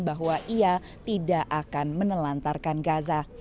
bahwa ia tidak akan menelantarkan gaza